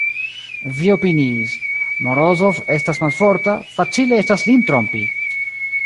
Vi opiniis: Morozov estas malforta, facile estas lin trompi!